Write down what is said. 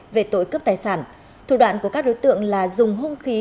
về tội cướp tài sản thủ đoạn của các đối tượng là dùng hung khí